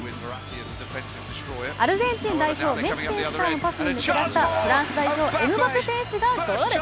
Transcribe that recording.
アルゼンチン代表メッシ選手からのパスに抜け出したフランス代表エムバペ選手がゴール。